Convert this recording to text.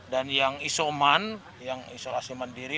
dan yang isoman yang isolasi mandiri